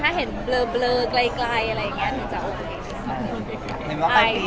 ถ้าเห็นเบลอไกลจะโอเค